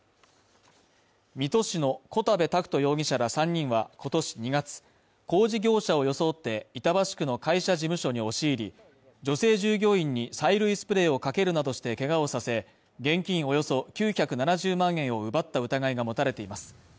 水戸市の小田部拓斗容疑者ら３人は今年２月、工事業者を装って板橋区の会社事務所に押し入り、女性従業員に催涙スプレーをかけるなどしてけがをさせ、現金およそ９７０万円を奪った疑いが持たれています。